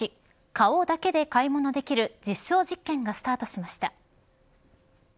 顔だけで買い物できる実証実験がスタートしました。